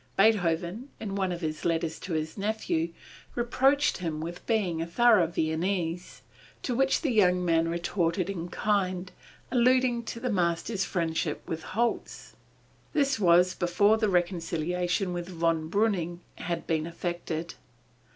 Beethoven, in one of his letters to his nephew, reproached him with being a thorough Viennese, to which the young man retorted in kind, alluding to the master's friendship with Holz. This was before the reconciliation with Von Breuning had been effected.